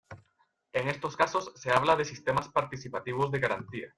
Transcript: En estos casos, se habla de Sistemas participativos de garantía.